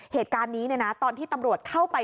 เหตุการณ์นี้ตอนที่ตำรวจเข้าไป